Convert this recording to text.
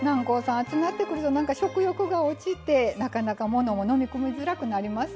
暑なってくるとなんか食欲が落ちてなかなかものも飲み込みづらくなりますよね。